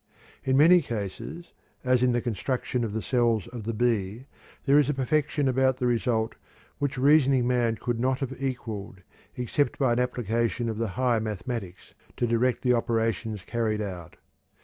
In many cases, as in the construction of the cells of the bee, there is a perfection about the result which reasoning man could not have equaled, except by an application of the higher mathematics to direct the operations carried out.